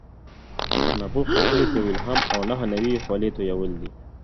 نبوغ په سلو کې یو الهام او نهه نوي یې خولې تویول دي.